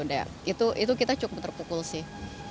ada itu kita cukup terpukul sih